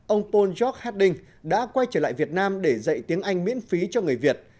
ông paul george hadding đã quay trở lại việt nam để dạy tiếng anh miễn phí cho người việt